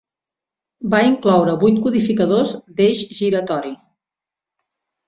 Va incloure vuit codificadors d'eix giratori.